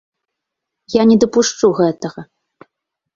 Я не дапушчу гэтага!